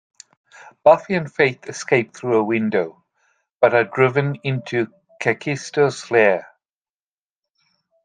Buffy and Faith escape through a window, but are driven into Kakistos lair.